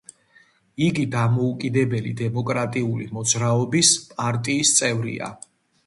იგი დამოუკიდებელი დემოკრატიული მოძრაობის პარტიის წევრია.